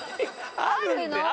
あるの！